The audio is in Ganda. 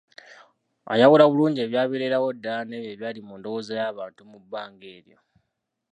Ayawula bulungi ebyabeererawo ddala n'ebyo ebyali mu ndowooza y'abantu mu bbanga eryo?